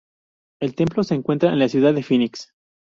El templo se encuentra en la ciudad de Phoenix.